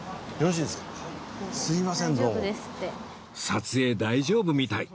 撮影大丈夫みたい。